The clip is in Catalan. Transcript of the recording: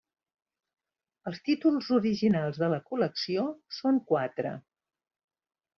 Els títols originals de la col·lecció són quatre: